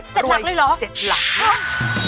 เจ็ดหลักเลยเหรอโอ้โฮแม่บ้านพารวยเจ็ดหลัก